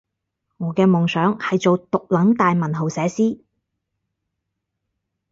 我嘅夢想係做毒撚大文豪寫詩